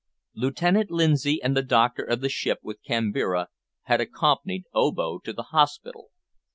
Lieutenant Lindsay and the doctor of the ship, with Kambira, had accompanied Obo to the hospital.